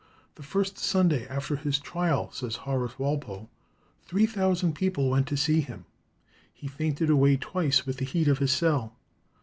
"The first Sunday after his trial," says Horace Walpole, "three thousand people went to see him. He fainted away twice with the heat of his cell.